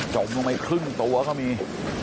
ลงไปครึ่งตัวก็มี